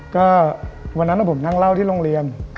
ก็วันนั้นผมนั่งเล่าที่โรงเรียน